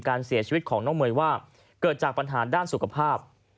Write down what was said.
การเสียชีวิตของน้องเมย์ว่าเกิดจากปัญหาด้านสุขภาพ